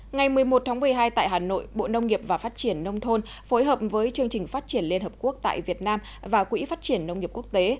ngày một mươi một tháng một mươi hai tại hà nội bộ nông nghiệp và phát triển nông thôn phối hợp với chương trình phát triển liên hợp quốc tại việt nam và quỹ phát triển nông nghiệp quốc tế